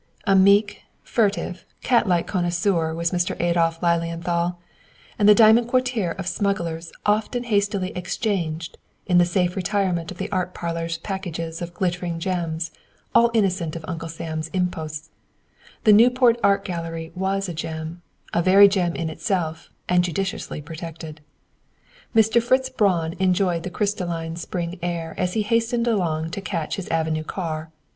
A meek, furtive cat like connoisseur was Mr. Adolph Lilienthal, and the "diamond coterie" of smugglers often hastily exchanged in the safe retirement of the "art parlors" packages of glittering gems all innocent of Uncle Sam's imposts. The "Newport Art Gallery" was a gem, a very gem in itself and judiciously protected. Mr. Fritz Braun enjoyed the crystalline spring air as he hastened along to catch his avenue car.